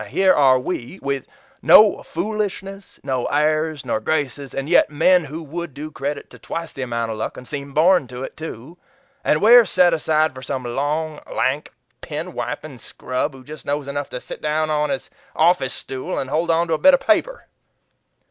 Here are WE, with no foolishness, no airs nor graces, and yet men who would do credit to twice that amount of luck and seem born to it, too and we're set aside for some long, lank, pen wiping scrub who just knows enough to sit down on his office stool and hold on to a bit of paper."